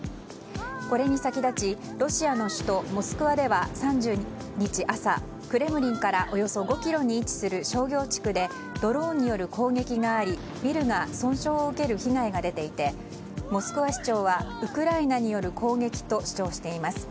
これに先立ちロシアの首都モスクワでは３０日朝、クレムリンからおよそ５ｋｍに位置する商業地区でドローンによる攻撃がありビルが損傷を受ける被害が出ていてモスクワ市長はウクライナによる攻撃と主張しています。